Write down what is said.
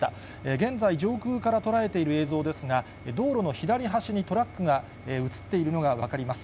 現在、上空から捉えている映像ですが、道路の左端にトラックが映っているのが分かります。